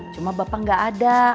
cuma bapak gak ada